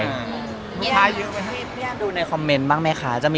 ส่วนท้ายซื้อไปไม่ต้องต้องนียนต์บ้างไหมคะ